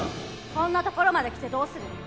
こんなところまで来てどうするの？